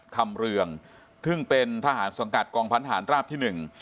คำเรืองซึ่งเป็นทหารสังกัดกองพันธานราบที่หนึ่ง